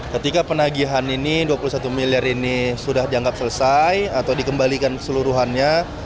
ketika penagihan ini dua puluh satu miliar ini sudah dianggap selesai atau dikembalikan keseluruhannya